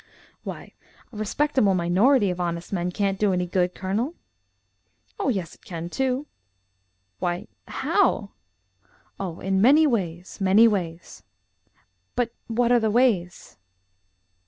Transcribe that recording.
"Why a respectable minority of honest men can't do any good, Colonel." "Oh, yes it can, too" "Why, how?" "Oh, in many ways, many ways." "But what are the ways?"